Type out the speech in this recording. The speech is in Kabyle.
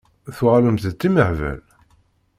Tuɣalemt d timehbal?